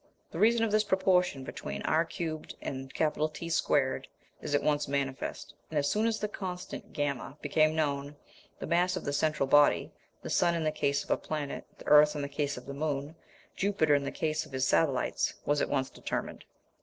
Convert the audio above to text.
The reason of the proportion between r^3 and T^2 is at once manifest; and as soon as the constant V became known, the mass of the central body, the sun in the case of a planet, the earth in the case of the moon, Jupiter in the case of his satellites, was at once determined.